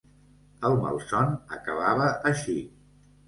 El malson acabava així.